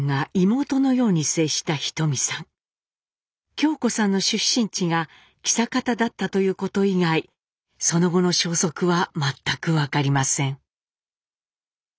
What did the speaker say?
京子さんの出身地が象潟だったということ以外その後の消息は全く分かりません。